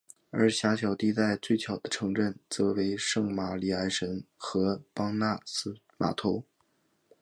而狭长地带最小的城镇则为圣玛里埃什和邦纳斯码头。